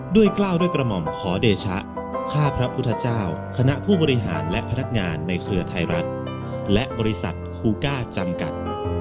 กล้าวด้วยกระหม่อมขอเดชะข้าพระพุทธเจ้าคณะผู้บริหารและพนักงานในเครือไทยรัฐและบริษัทคูก้าจำกัด